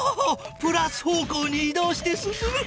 プラス方向にい動して進む。